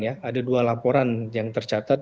ada dua laporan yang tercatat